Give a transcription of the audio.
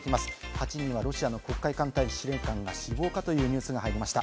８位にはロシアの黒海艦隊司令官が死亡か？というニュースが入りました。